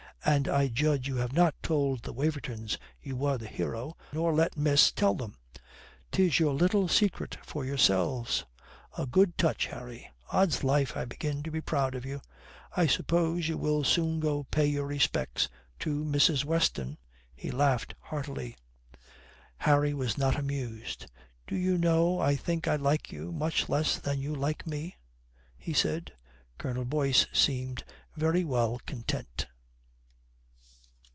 And I judge you have not told the Wavertons you were the hero, nor let miss tell them. 'Tis your little secret for yourselves. A good touch, Harry. Odds life, I begin to be proud of you. I suppose you will soon go pay your respects to Mrs. Weston." He laughed heartily. Harry was not amused. "Do you know, I think I like you much less than you like me," he said. Colonel Boyce seemed very well content.